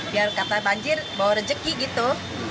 biar kata banjir bawa rejeki gitu